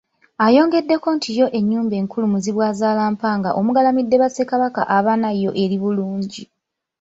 Ayongeddeko nti yo ennyumba enkulu Muzibwazaalampanga omugalamidde ba Ssekabaka abana yo eri bulungi.